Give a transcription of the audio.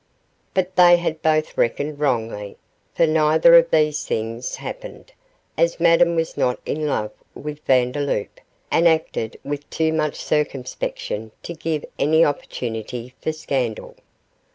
But they had both reckoned wrongly, for neither of these things happened, as Madame was not in love with Vandeloup, and acted with too much circumspection to give any opportunity for scandal.